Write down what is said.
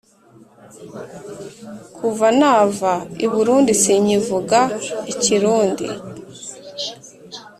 Kuva nava I Burundi sinkivuga ikirundi